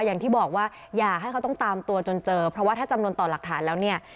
อย่างที่บอกว่าอย่าให้เขาต้องตามตัวจนเจอเพราะว่าถ้าจำนวนต่อหลักฐานแล้วเนี่ย